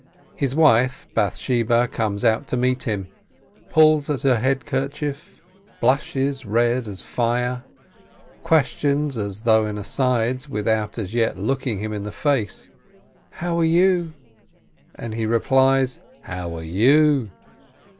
His wife Bath sheba comes out to meet him, pulls at her head kerchief, blushes red as fire, questions as though in asides, without as yet looking him in the face, "How are you ?" and he replies, "How are you?"